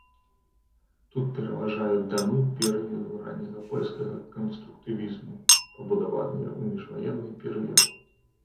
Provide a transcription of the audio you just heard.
Тут пераважаюць дамы перыяду ранняга польскага канструктывізму, пабудаваныя ў міжваенны перыяд.